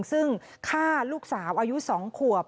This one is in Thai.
ซึ่งฆ่าลูกสาวอายุ๒ขวบ